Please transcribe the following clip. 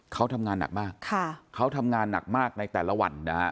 เขาทำงานหนักมากเขาทำงานหนักมากในแต่ละวันนะฮะ